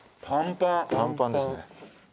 パンパンですね。